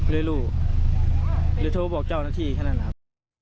เลยรู้เลยโทรบอกเจ้าหน้าที่แค่นั้นนะครับ